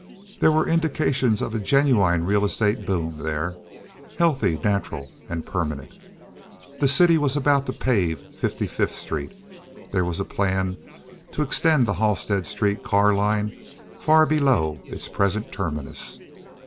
There were indications of a genuine real estate boom there—healthy, natural, and permanent. The city was about to pave Fifty fifth Street. There was a plan to extend the Halstead Street car line far below its present terminus.